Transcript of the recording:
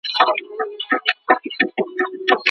د سیاسي ډیپلوماسۍ لخوا د خلګو په ازادۍ کي بدلون نه راځي.